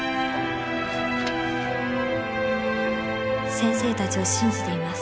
「先生たちを信じています」